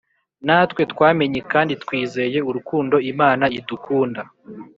Natwe twamenye kandi twizeye urukundo Imana idukunda.